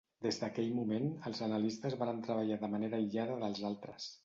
Des d'aquell moment, els analistes varen treballar de manera aïllada dels altres.